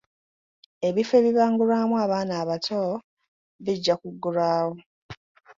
Ebifo ebibangulirwamu abaana abato bijja kuggulwawo.